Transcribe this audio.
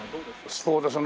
そうですね。